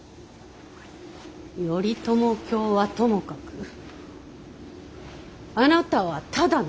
頼朝卿はともかくあなたはただの東夷。